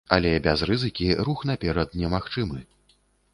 Але без рызыкі рух наперад немагчымы.